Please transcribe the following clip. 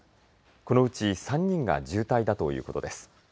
このうち３人が重体だということです。